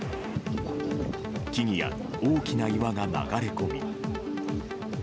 木々や大きな岩が流れ込み。